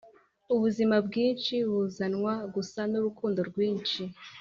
ubuzima bwinshi buzanwa gusa nurukundo rwinshi